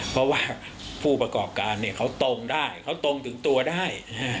เพราะว่าผู้ประกอบการเขาตรงได้เขาตรงถึงตัวได้